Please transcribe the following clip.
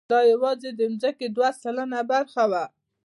دا یواځې د ځمکې دوه سلنه برخه وه.